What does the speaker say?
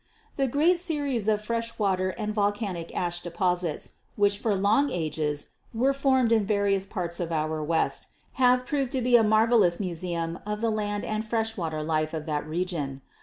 "The great series of fresh water and volcanic ash de posits, which for long ages were formed in various parts of our West, have proved to be a marvelous museum of the land and fresh water life of that region.